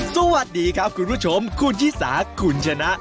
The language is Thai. สวัสดีครับคุณผู้ชมคุณชิสาคุณชนะ